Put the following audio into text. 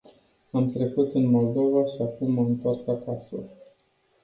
Am trecut în Moldova și acum mă întorc acasă.